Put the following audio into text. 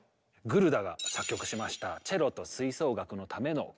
グルダが作曲しました「チェロと吹奏楽のための協奏曲」。